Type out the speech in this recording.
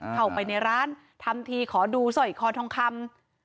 เข้าไปในร้านทำทีขอดูสร้อยคอทองคำ